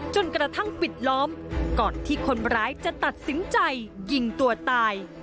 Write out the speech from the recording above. จนกระทั่งปิดล้อมก่อนที่คนร้ายจะตัดสินใจยิงตัวตาย